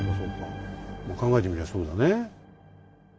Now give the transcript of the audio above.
考えてみりゃそうだね。